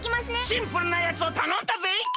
シンプルなやつをたのんだぜ！